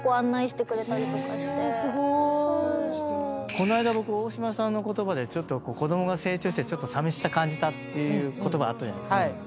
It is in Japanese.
この間僕大島さんの言葉でちょっと子供が成長してさみしさ感じたっていう言葉あったじゃないですか。